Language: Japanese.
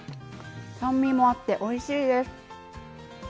酸味もあっておいしいです。